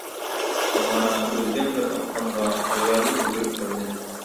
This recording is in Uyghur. مانا ئۆلگەن بىر ئافغانغا ئايالى يۈگۈرۈپ كەلدى.